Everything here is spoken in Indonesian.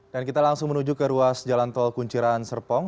dan kita langsung menuju ke ruas jalan tol kunciran serpong